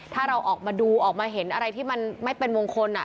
ถ้าเราออกมาดูออกมาเห็นอะไรที่มันไม่เป็นมงคล